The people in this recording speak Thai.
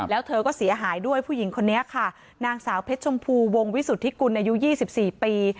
แล้วเธอก็เสียหายด้วยผู้หญิงคนนี้ค่ะนางสาวเพชรชมพูวงวิสุทธิกุลอายุ๒๔ปี